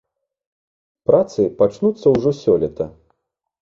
Працы пачнуцца ўжо сёлета.